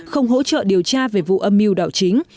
không hỗ trợ điều tra về vụ âm mưu đảo chính